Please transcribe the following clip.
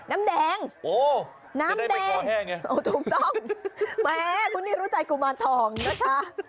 น้ำแดงน้ำแดงถูกต้องแม้คุณนี่รู้ใจกุมารทองนะคะ